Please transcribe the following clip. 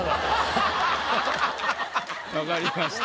分かりました。